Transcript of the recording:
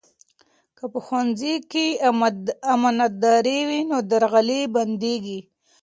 که په ښوونځي کې امانتداري وي، نو درغلي بندېږي.